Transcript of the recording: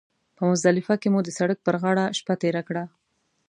په مزدلفه کې مو د سړک پر غاړه شپه تېره کړه.